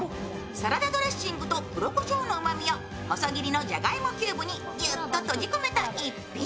サラダドレッシングと黒こしょうのうまみを細切りのジャガイモキューブにぎゅっと閉じ込めた逸品。